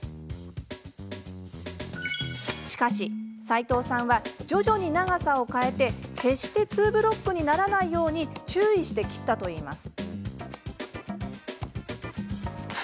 しかし、齋藤さんは徐々に長さを変えて、決してツーブロックにならないように注意して切ったといいます。